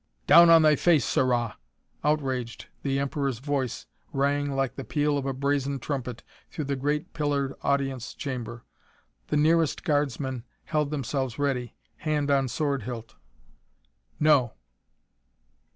"Down on thy face, sirrah!" Outraged, the Emperor's voice rang like the peal of a brazen trumpet through the great pillared audience chamber. The nearest guardsmen held themselves ready, hand on sword hilt. "No."